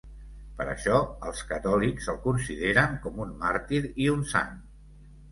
Per això, els catòlics el consideren com un màrtir i un sant.